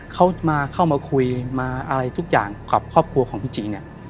เขามาเข้ามาคุยมาอะไรทุกอย่างกับครอบครัวของพี่จีเนี่ย